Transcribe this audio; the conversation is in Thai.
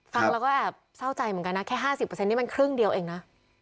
ฟังแล้วก็แอบเศร้าใจเหมือนกันนะแค่๕๐นี่มันครึ่งเดียวเองนะ